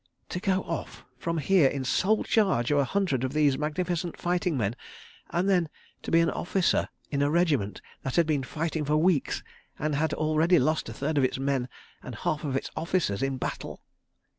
To go off from here in sole charge of a hundred of these magnificent fighting men, and then to be an officer in a regiment that had been fighting for weeks and had already lost a third of its men and a half of its officers, in battle?